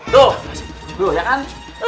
tuh ya kan